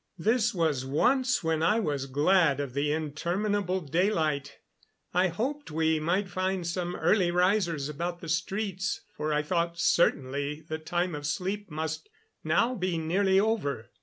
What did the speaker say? This was once when I was glad of the interminable daylight. I hoped we might find some early risers about the streets, for I thought certainly the time of sleep must now be nearly over.